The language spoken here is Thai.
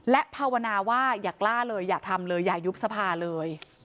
และภาวนาว่าอย่ากล้าเลยอย่าทำเลยอย่ายุบสภาเลย